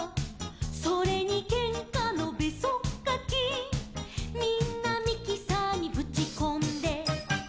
「それにけんかのべそっかき」「みんなミキサーにぶちこんで」